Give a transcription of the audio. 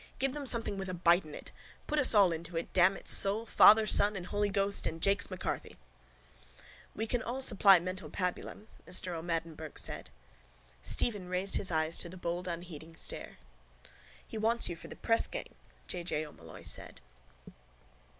Give them something with a bite in it. Put us all into it, damn its soul. Father, Son and Holy Ghost and Jakes M'Carthy. —We can all supply mental pabulum, Mr O'Madden Burke said. Stephen raised his eyes to the bold unheeding stare. —He wants you for the pressgang, J. J. O'Molloy said.